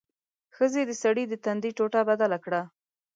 ښځې د سړي د تندي ټوټه بدله کړه.